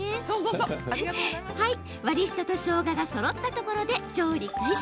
割り下と、しょうががそろったところで調理開始。